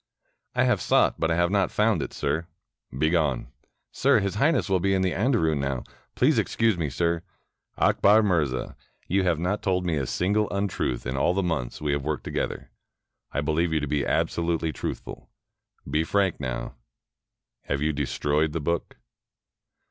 "I have sought, but I have not found it, sir." "Begone." " Sir, His Highness will be in the andarun now. Please excuse me, sir." " Akbar Mirza, you have not told me a single untruth in all the months we have worked together. I beUeve you to be absolutely truthful. Be frank now. Have you destroyed the book?"